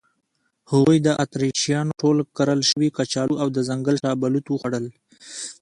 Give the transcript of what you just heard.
هغوی د اتریشیانو ټول کرل شوي کچالو او د ځنګل شاه بلوط وخوړل.